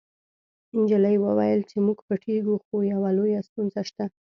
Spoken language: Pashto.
نجلۍ وویل چې موږ پټیږو خو یوه لویه ستونزه شته